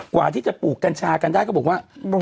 กว่าที่จะปลูกกันชากันได้ก็บอกว่าแค่ทำดินให้มันออร์แกนิคก็ยากแล้ว